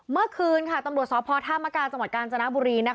เมื่อคืนตำรวจสพธามกาจังหวัดกาญจนบุรี